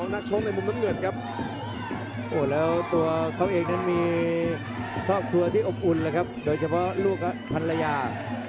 แล้วตัวเขาเองมีทอบทัวร์ที่อบอุ่นเลยครับโดยเฉพาะลูกภรรยา